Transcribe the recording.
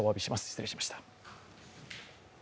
失礼しました。